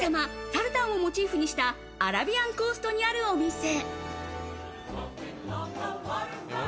サルタンをモチーフにしたアラビアンコーストにあるお店。